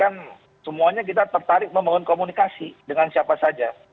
kalau nggak tertarik ya apa namanya kalau nggak tertarik membangun komunikasi ya tentu kita nggak datang kemarin